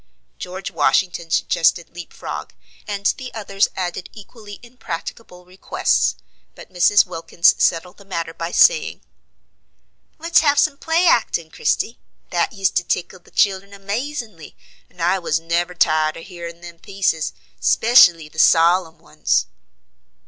George Washington suggested leap frog, and the others added equally impracticable requests; but Mrs. Wilkins settled the matter by saying: "Let's have some play actin', Christie. That used to tickle the children amazin'ly, and I was never tired of hearin' them pieces, specially the solemn ones."